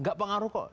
gak pengaruh kok